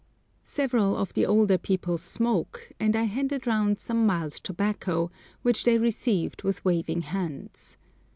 Several of the older people smoke, and I handed round some mild tobacco, which they received with waving hands.